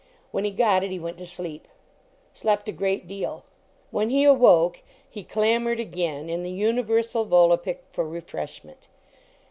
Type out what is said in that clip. When he got it, he went to sleep. Slept a great deal. When he awoke, he clamored again, in the universal volapiik, for refreshment.